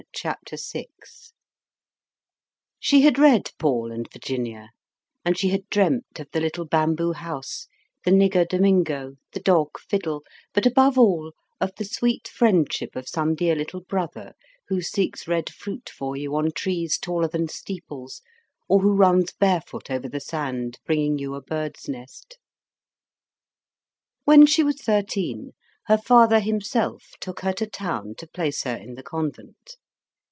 Chapter Six She had read "Paul and Virginia," and she had dreamed of the little bamboo house, the nigger Domingo, the dog Fidele, but above all of the sweet friendship of some dear little brother, who seeks red fruit for you on trees taller than steeples, or who runs barefoot over the sand, bringing you a bird's nest. When she was thirteen, her father himself took her to town to place her in the convent.